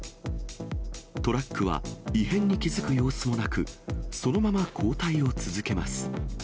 トラックは異変に気付く様子もなく、そのまま後退を続けます。